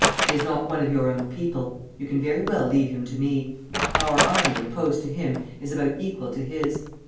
He is not one of your own people. You can very well leave him to me. Our army opposed to him is about equal to his.